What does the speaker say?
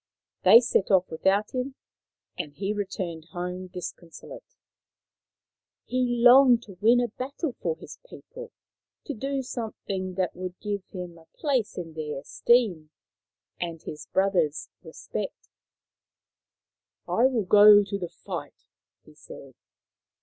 They set off without him, and he returned home disconsolate. n8 Maoriland Fairy Tales He longed to win a battle for his people, to do something that would give him a place in theii esteem and his brothers' respect. 11 1 will go to the fight," he said.